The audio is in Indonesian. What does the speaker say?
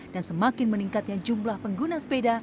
dan semakin meningkatnya jumlah pengguna sepeda